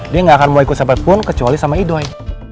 dia gak akan mau ikut sepakat pun kecuali sama idoy